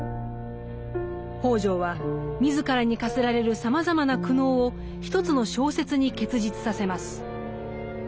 北條は自らに課せられるさまざまな苦悩を一つの小説に結実させます。